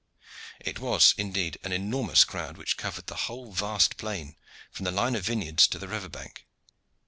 It was indeed an enormous crowd which covered the whole vast plain from the line of vineyards to the river bank.